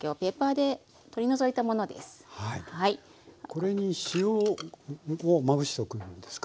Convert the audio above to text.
これに塩をまぶしておくんですか？